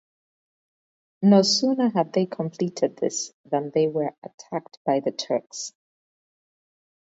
No sooner had they completed this than they were attacked by the Turks.